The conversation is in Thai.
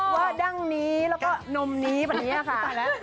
ว่าดั่งนี้แล้วก็นมนี้แบบนี้อะค่ะ